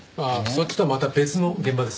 そっちとはまた別の現場です。